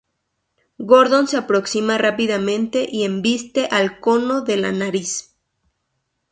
Gordon se aproxima rápidamente y embiste al cono de la nariz.